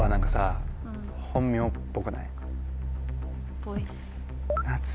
ぽい。